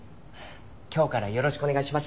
今日からよろしくお願いします